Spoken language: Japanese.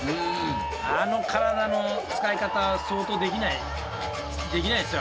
あの体の使い方相当できないできないですよ